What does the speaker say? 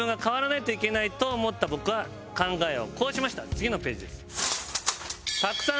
次のページです。